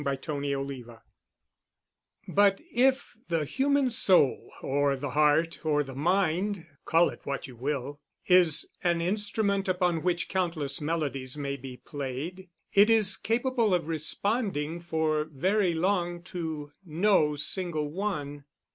Chapter XXXIV But if the human soul, or the heart, or the mind call it what you will is an instrument upon which countless melodies may be played, it is capable of responding for very long to no single one.